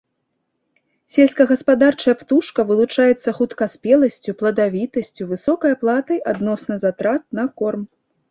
Сельскагаспадарчая птушка вылучаецца хуткаспеласцю, пладавітасцю, высокай аплатай адносна затрат на корм.